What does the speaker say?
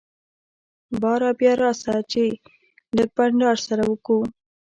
باره بيا راسه چي لږ بانډار سره وکو.